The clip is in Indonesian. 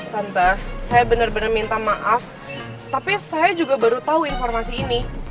tante saya bener bener minta maaf tapi saya juga baru tau informasi ini